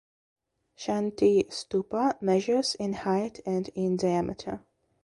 Shanti Stupa measures in height and in diameter.